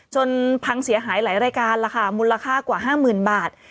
พังเสียหายหลายรายการล่ะค่ะมูลค่ากว่า๕๐๐๐บาท